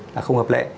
là không hợp lệ